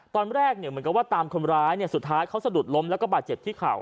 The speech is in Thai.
ตอนแรกเนี่ยเหมือนกับว่าตามคนร้ายสุดท้ายเขาสะดุดล้มแล้วก็บาดเจ็บที่เข่า